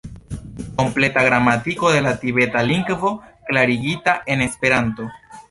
Kompleta Gramatiko de la Tibeta Lingvo klarigita en Esperanto.